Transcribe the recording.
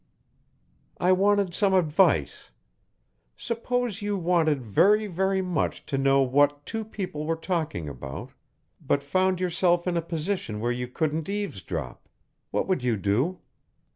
"I wanted some advice. Suppose you wanted very, very much to know what two people were talking about, but found yourself in a position where you couldn't eavesdrop. What would you do?"